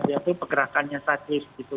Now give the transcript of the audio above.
yaitu pergerakannya satis gitu